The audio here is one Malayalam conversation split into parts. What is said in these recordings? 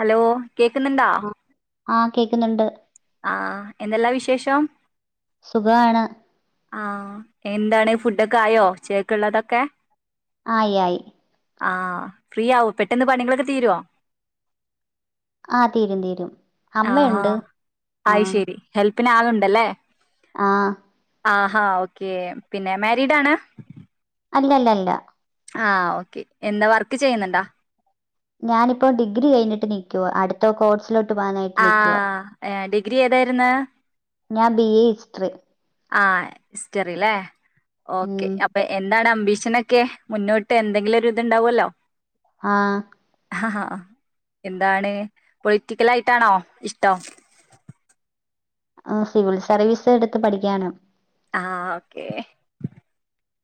ഹലോ കേക്കുന്നുണ്ടാ ആഹ് ആഹ് കേക്കുന്നുണ്ട് ആഹ് ആഹ് എന്തെല്ലാ വിശേഷം സുഖാണ് ആഹ് എന്താണ് ഫുഡൊക്കെ ആയോ ഉച്ചേക്കുള്ളതൊക്കെ ആയി ആയി ആഹ് ഫ്രീയാവോ പെട്ടന്ന് പണികളൊക്കെ തീരുവോ ആഹ് തീരും തീരും ആഹാ അമ്മയൊണ്ട് അയ് ആഹ് ശരി ഹെൽപ്പിന് ആളുണ്ടല്ലേ ആഹ് ആഹാ ഓക്കെ പിന്നെ മാരീഡ് ആണ് അല്ലല്ലല്ല ആഹ് ഓക്കെ എന്താ വർക്ക് ചെയ്യുന്നുണ്ടാ ഞാനിപ്പോ ഡിഗ്രി കഴിഞ്ഞിട്ട് നിക്കുവാ അടു ത്ത കോഴ്‌സിലോട്ട് പോവാനായിട്ട് നിക്കുവാ ആഹ് ഡിഗ്രി ഏതായിരുന്നു ഞാൻ ബി എ ഹിസ്റ്ററി ആഹ് ഹിസ്റ്ററി അല്ലേ ഓക്കെ ഉം അപ്പൊ എന്താണ് അംബീഷനൊക്കെ മുന്നോട്ട് എന്തെങ്കിലും ഒരിതുണ്ടാവുവല്ലോ ആഹ് എന്താണ് പൊളിറ്റിക്കൽ ആയിട്ടാണോ ഇഷ്ടം ആഹ് സിവിൽ സർവീസ് എടുത്ത് പഠിക്കാനം ആഹ് ഓക്കേ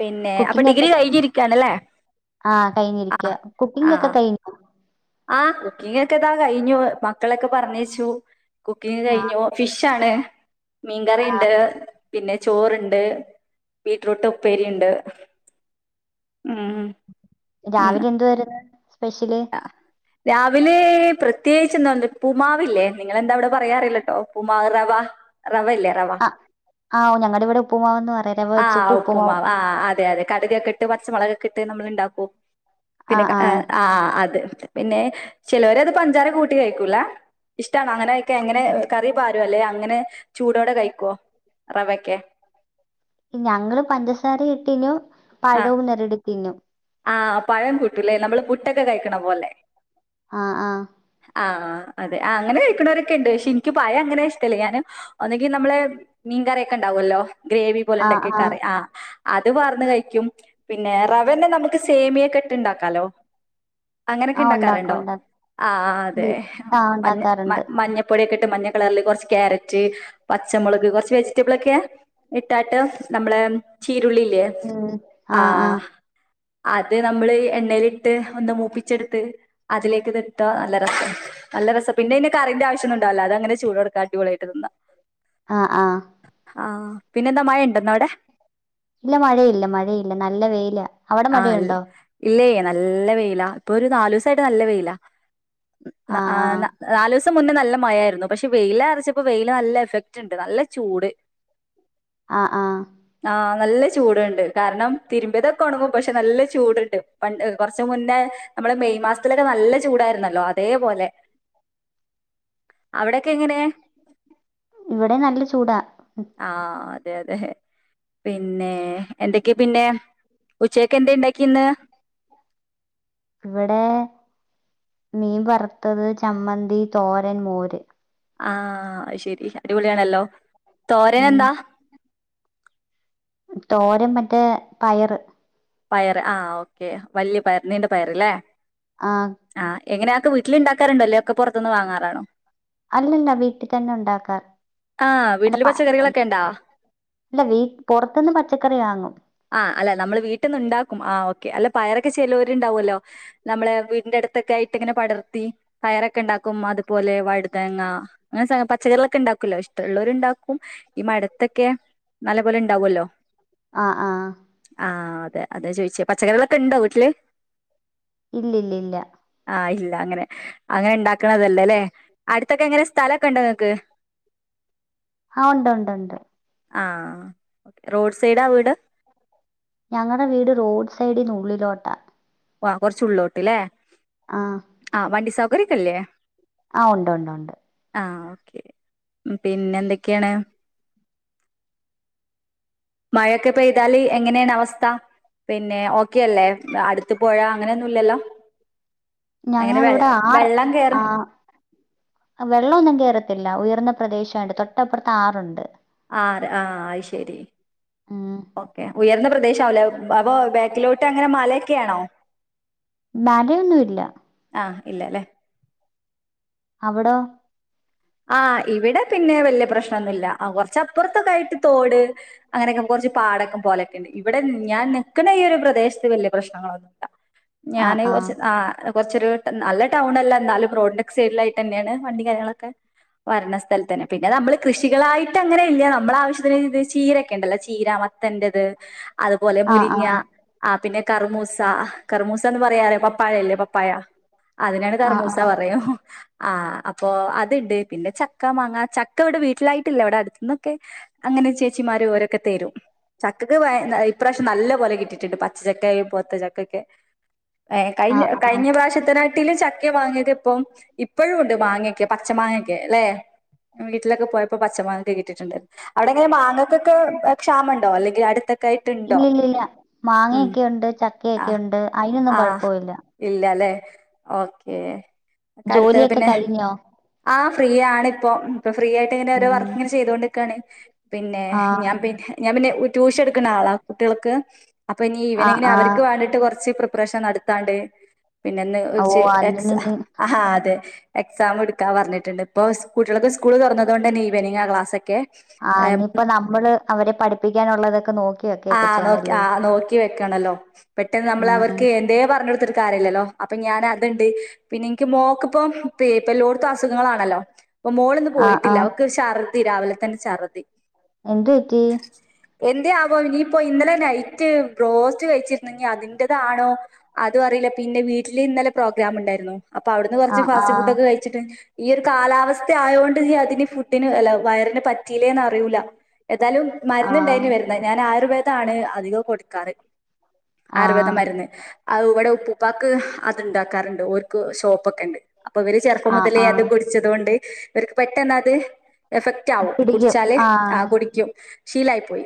പിന്നെ അപ്പൊ കുക്കിംഗ് ഒക്കെ ഡിഗ്രി കഴിഞ്ഞിരിക്കണല്ലേ ആഹ് കഴിഞ്ഞിരിക്ക ആഹ് കുക്കിംഗ് ഒക്കെ ആഹ് കഴിഞ്ഞു ആഹ് കുക്കിങ്ങൊക്കെ ഇതാ കഴിഞ്ഞു മക്കളയൊക്കെ പറഞ്ഞയച്ചു കുക്കിങ് ആഹ് കഴിഞ്ഞു ഫിഷാണ് ആഹ് മീൻകറിയുണ്ട് പിന്നെ ചോറ്ണ്ട് ബീറ്റ്റൂട്ട് ഉപ്പേരി ഉണ്ട് ഉം രാവിലെ എന്തുവായിരുന്ന് സ്പെഷ്യല് അഹ് രാവിലെ പ്രത്യേകിച്ച് എന്താ ഉപ്പ്മാവില്ലേ നിങ്ങെളെന്താവിടെ പറയാ അറിയില്ലട്ടോ ഉപ്പ്മാവ് റവാ റവ ഇല്ലേ റവ ആഹ് ഞങ്ങടെ ഇവിടെ ഉപ്പുമാവെന്ന് പറ ആഹ് ഉപ്പുമാവ് ആഹ് അതെ അതെ കടുകൊക്കെ ഇട്ട് പച്ചമൊളകൊക്കെ ഇട്ട് നമ്മള് ഇണ്ടാക്കും പിന്നെ അഹ് ആഹ് അത് പിന്നെ ചെലവരത് പഞ്ചാര കൂട്ടി കഴിക്കൂലേ ഇഷ്ടാണോ അങ്ങനെയൊക്കെ എങ്ങനെ കറി പാരു അല്ലെ അങ്ങനെ ചൂടോടെ കഴിക്കോ റവയൊക്കെ ഞങ്ങള് പഞ്ചസാര ഇട്ടീലും പഴവും ഞെരടി തിന്നും ആഹ് പഴം കൂട്ടൂല്ലേ നമ്മള് പുട്ടൊക്കെ കഴിക്കണ പോലേ ആഹ് ആഹ് ആഹ് അതെ ആഹ് അങ്ങനെ കഴിക്കണവരൊക്കെ ഇണ്ട് പക്ഷെ എനിക്ക് പഴം അങ്ങനെ ഇഷ്ടല്ല ഞാന് ഒന്നെങ്കി നമ്മളെ മീൻ കറിയൊക്കെ ഉണ്ടാവുവല്ലോ ഗ്രേവി പോലുണ്ടാക്കിയ കറി ആഹ് അത് വാർന്ന് കഴിക്കും പിന്നെ റവേന്റെ നമു ക്ക് സേമിയേക്ക ഇട്ട് ഉണ്ടാക്കാലോ അങ്ങനെയൊക്കെ ആഹ് ഉണ്ടാക്കും ഇണ്ടാക്കാറുണ്ടോ ഉണ്ടാക്കും ആഹ് അതെ ആഹ് മഞ്ഞ മ ഉണ്ടാക്കാറുണ്ട് മഞ്ഞ പ്പൊടിയൊക്കെ ഇട്ട് മഞ്ഞ കളറില് കൊറച്ച് ക്യാരറ്റ് പച്ചമൊളക് കൊറച്ച് വെജിറ്റബിളൊക്കേ ഇട്ടാട്ട് നമ്മളെ ചീരുള്ളിയില്ലേ ഉം ആഹ് ആഹ് അത് നമ്മള് എണ്ണയിലിട്ട് ഒന്ന് മൂപ്പിച്ചെടുത്ത് അതിലേക്കിതിട്ടാ നല്ല രസാ നല്ല രസം പിന്നെ ഇതിന് കറീന്റെ ആവശ്യോന്നും ഉണ്ടാവില്ല അത് അങ്ങനെ ചൂടോടക്ക അടിപൊളിയായിട്ട് തിന്നാം ആഹ് ആഹ് ആഹ് പിന്നെന്താ മഴ ഉണ്ടോ ഇന്നവിടെ ഇല്ല മഴയില്ല മഴയില്ല നല്ല വെയിലാ അവിടെ ആഹ് അൽ മഴയുണ്ടോ ഇല്ലേ നല്ല വെയിലാ ഇപ്പൊ ഒരു നാലു ദിവസായിട്ട് നല്ല വെയിലാ ഉം ന ആഹ് നാ നാലുസ് സം മുന്നേ നല്ല മഴയായിരുന്നു പക്ഷെ വെയിലാറിച്ചപ്പോ വെയില് നല്ല എഫക്റ്റ് ഉണ്ട് നല്ല ചൂട് ആഹ് ആഹ് ആഹ് നല്ലേ ചൂടൊണ്ട് കാരണം തിരുമ്പിയതൊക്കെ ഒണങ്ങും പക്ഷെ നല്ല ചൂടുണ്ട് പണ്ട് കൊറച്ച് മുന്നേ നമ്മള് മെയ് മാസത്തിലൊക്കെ നല്ല ചൂടായിരുന്നല്ലോ അതേപോലെ അവിടെക്കെ എങ്ങനേ? ഇവിടെയും നല്ല ചൂടാ. ആഹ് അതെ അതെ പിന്നെ എന്തൊക്കെയാ പിന്നെ ഉച്ചയ്ക്കെന്താ ഇണ്ടാക്കിയ ഇന്ന് ഇവിടേ മീൻ വറുത്തത്, ചമ്മന്തി തോരൻ, മോര് ആഹ് അത്ശരി അടിപൊളിയാണല്ലോ ഉം തോരനെന്താ? തോരൻ മറ്റേ പയറ് പയറ് ആഹ് ഓക്കെ വലിയ പയർ നീണ്ട പയറ് അല്ലേ ആഹ് ആഹ് എങ്ങനെയാക്ക് വീട്ടിലുണ്ടാക്കാറണ്ടല്ലേ ഒക്കെ പൊറത്ത്ന്ന് വാങ്ങാറാണോ അല്ലല്ല വീട്ടി തന്നെ ഒണ്ടാക്കാ ആ അല്ല വീട്ടില് പ പച്ചക്കറികളൊക്കെ ഉണ്ടാ അല്ല വീ പൊറത്ത്ന്ന് പച്ചക്കറി വാങ്ങും. ആഹ് അല്ല നമ്മള് വീട്ടിന്നുണ്ടാക്കും ആഹ് ഓക്കെ. അല്ല പയറൊക്കെ ചെലോരുണ്ടാവുവല്ലോ നമ്മളെ വീടിന്റെ അടുത്തൊക്കെ ആയിട്ടിങ്ങനെ പടർത്തി പയറൊക്കെ ഇണ്ടാക്കും അതുപോലെ വഴുതനങ്ങ അങ്ങനെ സ പച്ചക്കറികളൊക്കെ ഉണ്ടാക്കൂലേ ഇഷ്ടൊള്ളോരുണ്ടാക്കും ഈ മടത്തൊക്കെയാ നല്ല പോലെയിണ്ടാവുവല്ലോ? ആഹ് ആഹ് ആഹ് അതെ അത ചോയിച്ചേ പച്ചക്കറികളൊക്കെ ഇണ്ടോ വീട്ടില് ഇല്ലില്ലില്ലാ ആഹ് ഇല്ല അങ്ങനെ അങ്ങനെ ഇണ്ടാക്കണതല്ലല്ലേ അടുത്തൊക്കെ എങ്ങനെ സ്ഥലൊക്കെ ഒണ്ടോ നിങ്ങക്ക് ആഹ് ഒണ്ട് ഒണ്ട് ഒണ്ട് ആഹ് റോഡ് സൈഡാ വീട്? ഞങ്ങളടെ വീട് റോഡ് സൈഡിനുള്ളിലോട്ടാ അഹ് കുറച് ഉള്ളിലോട്ട്ല്ലേ ആഹ് ആ വണ്ടി സൗകര്യക്കല്ല്യെ? ആ ഉണ്ട് ഉണ്ട് ഉണ്ട് ആ ഓക്കെ പിന്നെ എന്തൊക്കെയാണ്? [inaudible] മഴയൊക്കെ പെയ്താല് എങ്ങനെയാണ് അവസ്ഥ, പിന്നെ ഓക്കെ അല്ലേ അടു ത്ത് പോഴ അങ്ങനെയൊന്നുല്ലല്ലോ? ഞങ്ങിവിടെ ആറ് വെള്ളം കേറ് ആ വെള്ളമൊന്നും കേറത്തില്ല. ഉയർന്ന പ്രദേശം ആയോണ്ട് തൊട്ടപ്പുറത്ത് ആറുണ്ട്. ആ ആ ശരി ഉം ഓക്കേ ഉയർന്ന പ്രദേശ ആവുല്ലേ അപ്പൊ ബേക്കിലോട്ട് അങ്ങനെ മലയൊക്കെയാണോ? മലയൊന്നു ഇല്ല ആ ഇല്ല അല്ലേ. അവിട ആഹ് ഇവിടെ പിന്നെ വലിയ പ്രശ്നംനോന്നുല്ല കുറച്ചപ്പുറത്തൊക്കെ ആയിട്ട് തോട് അങ്ങനെയൊക്കെ കുറച്ച് പാടക്കം പോലെക്കന്നെ ഇവിടെ ഞാൻ നിക്കുന്ന ഈ ഒരു പ്രദേശത്ത് വലിയ പ്രശ്നങ്ങളൊന്നുല്ല ഞാന് കുറച്ച് ആ കുറച്ചൊരു നല്ല ടൗൺ അല്ല എന്നാലും റോഡിന്റെ ക്കെ സൈഡിലായിട്ട് തന്നെയാണ് വണ്ടി കാര്യങ്ങളൊക്കെ വരണസ്ഥഥലത്ത് തന്നെ പിന്നെ നമ്മള് കൃഷികളായിട്ട് അങ്ങനെ ഇല്ല നമ്മൾ ആവശ്യത്തിന്ത് ചീരൊക്കെ ഉണ്ടല്ലോ ചീര ത്തന്റത് അതുപോലെ ആ ആ മുരിങ്ങ ആ പിന്നെ കറമൂസ കറമൂസന്ന് പറയാറേ പപ്പായല്ലേ പപ്പായാ അതിനാണ് ആ കറമൂസ പറയും ആഹ് അപ്പൊ അത്ണ്ട് പിന്നെ ചക്ക മാങ്ങ ചക്ക ഇവിടെ വീട്ടിലായിട്ടില്ല ഇവിടെ അടുത്തന്നൊക്കെ അങ്ങനെ ചേച്ചിമാരും ഓരൊക്കെ തെരും ചക്കക്ക് ഇപ്രാവശ്യം നല്ല പോലെ കിട്ടിട്ടുണ്ട് പച്ചക്ക പോത്തചക്ക ഒക്കെ ഏ ആ കഴിഞ്ഞ ആ ആ കഴിഞ്ഞ പ്രാവശ്യത്തിനാട്ടില് ചക്ക വാങ്ങിയത് ഇപ്പം ഇപ്പോഴും ഉണ്ട് മാങ്ങയൊക്കെ പച്ച മാങ്ങൊക്കെ ല്ലെ വീട്ടിലൊക്കെ പോയപ്പോ പച്ച മാങ്ങ കിട്ടിട്ടുണ്ട് അവിടെങ്ങനെ മാങ്ങക്കൊക്കെ ക്ഷാമ ഇണ്ടോ അല്ലെങ്കിൽ അടുത്തൊക്കെ ആയിട്ട്ണ്ടോ മാങ്ങൊക്കെയുണ്ട് ആഹ് ചക്കയൊക്കെയുണ്ട് അതിനൊന്നും ആഹ് കുഴപ്പമില്ല ഇല്ലല്ലേ ഓക്കേ ഒക്കെ അടുത്ത ജോലിയൊക്കെ പിന്നെ കഴിഞ്ഞോ ആഹ് ഫ്രീ ആണിഇപ്പം ഇപ്പൊ ഫ്രീ ആയിട്ട് ഇങ്ങനെ ഓരോ ഉം വർക്ക്ങ്ങനെ ചെയ്ത കൊണ്ട് നിക്കാണ് പിന്നെ ആ ഞാൻ പിന്നെ ഞാൻ പിന്നെ ട്യൂഷൻ എടുക്കണ ആളാ കുട്ടികൾക്ക് അപ്പൊ ഇനി ആ ഇവന ഇങ്ങനെ ആ അവർക്ക് വേണ്ടിട്ട് കുറച്ച് പ്രിപ്പറേഷൻ നടത്താണ്ട് പിന്നെന്ന് ഓ കുറച്ച് എക്സ അതിന് ഇനി ആഹ് അതെ എക്സാം എടുക്കാ പറഞ്ഞിട്ട് ണ്ട് ഇപ്പോ കട്ടികൾക്ക് സ്കൂൾ തുറന്നത് കൊണ്ട് തന്നെ ഈവനിംങ് ആ ക്ലാസ് ഒക്കെ ആഹ് ഇനിയിപ്പോ നമ്മള് അവരെ പഠിപ്പിക്കാനുള്ളതൊക്കെ നോ ആഹ് നോക്കി ആഹ് നോക്കി വെക്കണല്ലോ പെട്ടെന്ന് നമ്മൾ ഉം അവർക്ക് എന്തേ പറഞ്ഞ് കൊടുത്ത് ട്ട് കാര്യല്ലല്ലോ അപ്പൊ ഞാൻ അതുണ്ട് പിന്നെ എനിക്ക് മോക്ക് ഇപ്പ ഇപ്പ എല്ലോട്ത്തും അസുഖങ്ങളാണല്ലോ ഇപ്പൊ മോള്ന്ന് ആ ആ പോയിട്ടില്ല അവക്ക് ഛർദ്ദി രാവിലെ തന്നെ ഛർദ്ദി എന്ത് പറ്റി എന്ത്യാവോ ഇനിയിപ്പോ ഇന്നലെ നൈറ്റ് ബ്രോസ്റ്റ് കഴിച്ചിരുന്നങ്ക അതിന്റതാണോ അതുഅറിയില്ല പിന്നെ വീട്ടില് ഇന്നലെ പ്രോഗ്രാം ഉണ്ടായിരുന്നു അപ്പൊ അവിടുന്ന് ആ കുറച്ച് ആ ഫാസ്റ്റ് ഫുഡ് ഒക്കെ കഴിച്ച് ച്ച്ട്ട് ഈ ഒരു കാലാവസ്ഥ ആയോണ്ട് നീ അതിന് ഫുഡിന് അല്ല വയറിന് പറ്റിയില്ലേന്ന് അറിയൂല്ല ഏതായാലും ആ മരുരുന്നുണ്ടായിന് വരുന്ന ഞാൻ ആയുർവേദണ് അധികം കൊടുക്കാറ് ആയുർവേദ ആഹ് മരുന്ന് ആ ഇവിടെ ഉപ്പുപ്പാക്ക് അത്ണ്ടാക്കാറുണ്ട് ഓർക്ക് ഷോപ്പൊക്കെ ഉണ്ട് അപ്പൊ ഇവർ ചെറുപ്പം ആഹ് മുതലേ അത് ആഹ് കുടിച്ചത്കൊണ്ട് ഇവർക്ക് പെട്ടെന്ന അത് എഫക്റ്റ് ആവും പിടിക്കും കുടിച്ചാല് ആ ആഹ് കുടിക്കും ശഷീലായി പോയി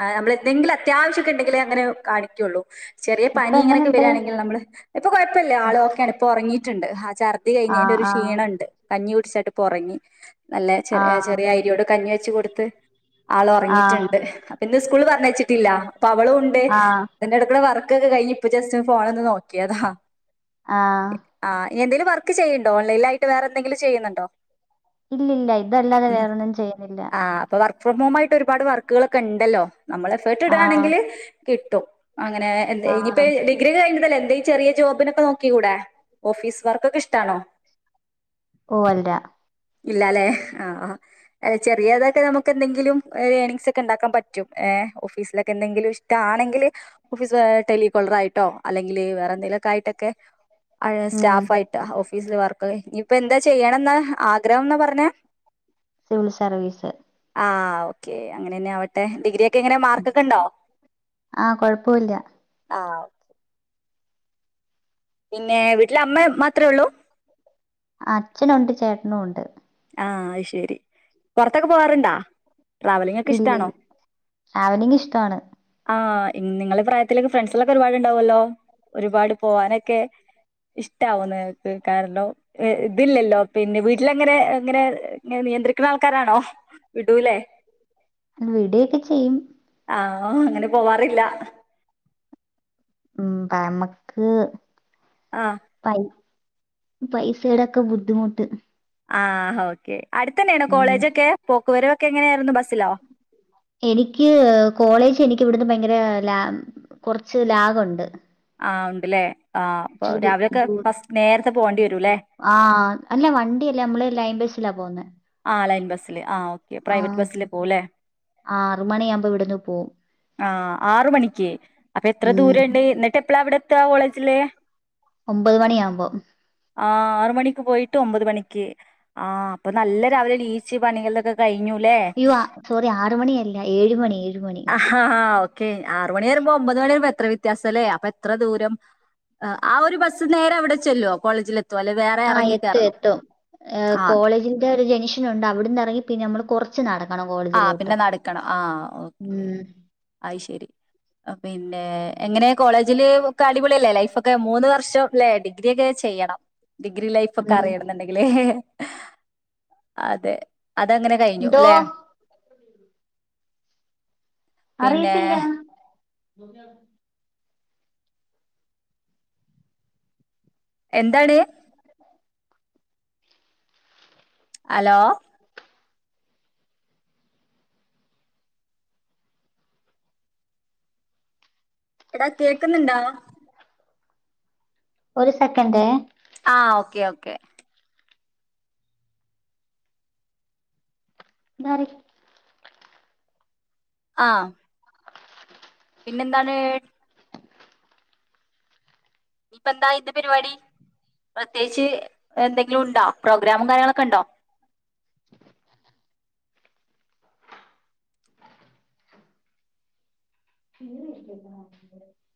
ആ നമ്മൾ എന്തെങ്കിലും അത്യാവശ്യംക്കെ ഉണ്ടെങ്കിലേ അങ്ങെനെ കാണിക്കുള്ളൂ ചെറിയ ഇപ്പൊ പനി ഇങ്ങനൊക്കെ എങ്ങനുണ്ട് വരിയാണെങ്കിൽ നമ്മള് ഇപ്പൊ കുഴപ്ല്ല ആൾ ഓക്കെയാണ് ഇപ്പൊ ഉറങ്ങിയിട്ടുണ്ട് ആ ചർത്തി കഴിഞ്ഞതി്റെ ആഹ് ഒരു ആഹ് ക്ഷീണ ഉണ്ട് കഞ്ഞി കുടിച്ചാട്ട് ഇപ്പൊ ഉറങ്ങി നല്ല ചെറി ആഹ് ചെറിയ അരിയോട് കഞ്ഞി വെച്ച് കൊടുത്ത് ആൾ ആഹ് ഉറങ്ങിയിട്ടുണ്ട് ഇന്ന് സ്കൂള് പറഞ്ഞആയിച്ചിട്ടില്ല അപ്പൊ അവളു ഉണ്ട് ആഹ് എന്റെ എട്ക്ക് ണവർക്ക് ഒക്കെ കഴിഞ്ഞ് ഇപ്പ ജസ്റ്റ് ഫോണ് ഒന്ന് നോക്കിയതാ ആഹ് ആ നി എന്തങ്കിലും വർക്ക് ചെയ്യ്ണ്ടാേ ഓൺലൈൻ ആയിട്ട് വേറെ എന്തങ്കിലും വർക്ക് ചെയ്യുന്നുണ്ടോ? ഇല്ലില്ല ഇതല്ലാതെ ഉം വേറൊന്നും ചെയ്യുന്നില്ല. ആ അപ്പൊ വർക്ക് ഫ്രം ഹോം ആട്ട് ഒരുപാട് വർക്കുകളൊക്കെ ഉണ്ടല്ലോ നമ്മള് എഫർട്ട് ആഹ് ഇടുകയാണെങ്കില് കിട്ടും അങ്ങനെ എന്ത ഇനിപ്പ ആഹ് ഡഗ്രി കഴിഞ്ഞതല്ല എന്ത ചെറിയ ജോബിനൊക്കെ നോക്കി കൂടെ ഓഫീസ് വർക്കൊക്കെ ഇഷ്ടണോ? ഓഹ് അല്ല ഇല്ലാലേ ആഹ് ആഹ് ചെറിയതൊക്കെ നമുക്കെന്തങ്കിലും ഒര് എണിംഗങ്സൊക്കെ ഇണ്ടാക്കാൻ പറ്റും ഏ ഓഫീസിലൊക്കെ എന്തെങ്കിലും ആണെങ്കില് ഓഫീസ് ഏ ടെലികോളറായിട്ടോ അല്ലെങ്കില് വേറെന്തേലൊക്കെ ആയിട്ടൊക്കെ അവ്ടെ ഉം സ്റ്റാഫായിട്ടാ ഓഫീസില് വർക്കർ ഇനിയിപ്പൊ എന്താ ചെയ്യണന്നാ ആഗ്രഹംന്നാ പറഞ്ഞെ? സിവിൽ സർവീസ് ആഹ് ഓക്കെ അങ്ങനെന്നെ ആവട്ടെ ഡിഗ്രി ക്കെ എങ്ങനെ മാർക്കൊക്കെ ഇണ്ടോ ആഹ് കൊഴപ്പവില്ല ആഹ് പിന്നെ വീട്ടില് അമ്മ മാത്രേ ഒള്ളൂ അച്ഛനുണ്ട് ചേട്ടനും ഉണ്ട് ആഹ് അത് ശരി പൊറത്തൊക്കെ പോവാറ്ണ്ടോ? ട്രാവലിംങൊക്കെ ഇല്ല ഇഷ്ടാണോ? ട്രാവലിംഗ് ഇഷ്ടാണ് ആഹ് നിങ്ങളെ പ്രായത്തിലൊക്കെ ഫ്രണ്ട്സേളൊക്കെ ഒര്പാടുണ്ടാവെല്ലോ ഒരുപാട് പോവാനൊക്കെ ഇഷ്ടാവും നിങ്ങക്ക് കാരണം ഏ ഇതില്ലല്ലോ പിന്നെ വീട്ടിലെങ്ങനെ ഇങ്ങനെ നിയന്ത്രിക്ക്ണ ആൾക്കാരാണോ വിടൂലേ വിടെയൊക്കെ ചെയ്യും ആഹ് അങ്ങനെ പോവാറില്ല ഉം [unintelligible] ആഹ് പൈ പൈസയുടെക്കെ ബുദ്ധിമുട്ട് ആഹ് ഓക്കെ അട്ത്തെന്നെയാണോ ഉം കോളേജോക്കെ പോക്ക് വരവൊക്കെ എങ്ങനെയായിരുന്നു ബസ്സിലോ? എനിക്ക് കോളേജ് എനിക്ക് ഇവിടുന്ന് ഭയങ്കര ലാ കൊറച്ച് ലാഗുണ്ട്. ആഹ് ഉണ്ട്ലേ ആഹ് അപ്പൊ ഇച്ചിരി ദൂ രാവിലെയൊക്കെ ഫസ് നേരത്തെ പോവേണ്ടി വരുല്ലേ ആഹ് അല്ല വണ്ടിയല്ല നമ്മള് ലൈം ബസ്സിലാ പോവുന്നെ ആഹ് ലൈൻ ബസ്സില് ആഹ് ഓക്കെ ആ പ്രൈവറ്റ് ബസ്സില് പോവുല്ലേ ണിയാവുമ്പോ ഇവട്ന്ന് പോവും ആഹ് ആറ് മണിക്ക് അപ്പം എത്ര ഉം ദൂരണ്ട് ഇന്നെട്ട് എപ്പളാ ഇവടെ എ ത്താ കോളേജില് ഒമ്പത് മണിയാവുമ്പം ആഹ് ആറ് മണിക്ക് പോയിട്ട് ഒമ്പത് മണിക്ക് ആഹ് അപ്പം നല്ല രാവിലെ നീച്ച് പണികളൊക്കെ കഴിഞ്ഞുലേ അയ്യോ സോറി ആറ് മണി അല്ല ഏഴ് മണി ഏഴ് മണി ആഹ് ഓക്കെ ആറ് മണി പറയുമ്പോ ഒമ്പത് മണിന്ന് പറയുമ്പോ എത്ര വ്യ ത്യാസം ലേ അപ്പൊ എത്ര ദൂരം ആ ഒരു ബസ്സ് നേരെ അവിടെ ചെല്ലോ കോളേജില് എ [unintelligible] ആഹ് എത്തും എത്തും ഏ കോളേജിന്റെ ഒരു ജംഗ്ഷനുണ്ട് അവിട്ന്ന് എറങ്ങി പിന്നെ നമ്മള് കൊറ ച്ചു നടക്കണം കോ ആഹ് പിന്നെ നടക്കണം ആഹ് ഓക്കെ അത് ശരി അപ്പ പിന്നെ എങ്ങനെ കോളേജില് ഒക്കെ അടിപൊളിയല്ലേ ലൈഫൊക്കെ മൂന്ന് വർഷം ലേ ഡിഗ്രിയൊക്കെ ചെയ്യണം ഡിഗ്രി ലൈഫൊക്കെ ഉം. അറിയണന്ന്ണ്ടെങ്കില് അതെ അതങ്ങനെ കഴിഞ്ഞു എന്തോ ലേ പിന്നെ അറിയത്തില്ലാ എന്താണ് ഹലോ എടാ കേക്ക്ന്ന്ണ്ടോ ഒരു സെക്കൻഡെ ആഹ് ഓക്കേ ഓക്കേ പറയ് ആഹ് പിന്നെന്താണ് ഇപ്പ എന്താ ഇന്ന് പരിപാടി പ്രത്യേകിച്ച് എന്തെങ്കിലും ഉണ്ടോ പ്രോഗ്രാമും കാര്യങ്ങളൊക്കെ ഉണ്ടോ ഇല്ല [unintelligible]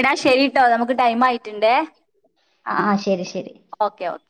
എന്നാ ശരിട്ടോ നമുക്ക് ടൈം ആയിട്ടുണ്ടേ ആഹ് ആഹ് ശരി ശരി ഓക്കെ ഓക്കെ